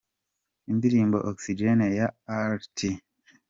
Indirimbo Oxygene ya R Tuty :.